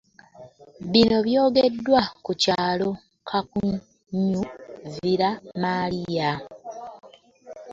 Bino byogeddwa ku kyalo Kakunyu-Villa Maria